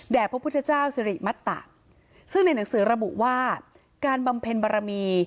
พระพุทธเจ้าสิริมัตตะซึ่งในหนังสือระบุว่าการบำเพ็ญบารมี